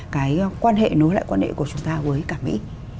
cái quan hệ nối lại quan hệ của chúng ta với cả mỹ